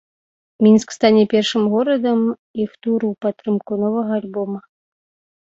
Мінск стане першым горадам іх туру ў падтрымку новага альбома.